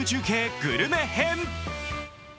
グルメ編集。